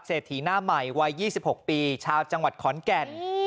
เศรษฐีหน้าใหม่วัย๒๖ปีชาวจังหวัดขอนแก่น